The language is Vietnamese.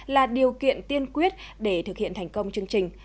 là điều kiện tiên quyết để thực hiện thành công chương trình